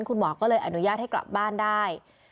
คุณหมอก็เลยอนุญาตให้กลับบ้านได้